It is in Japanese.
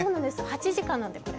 ８時間なんで、これ。